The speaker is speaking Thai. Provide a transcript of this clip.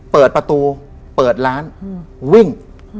เปิดประตูเปิดร้านวิ่ง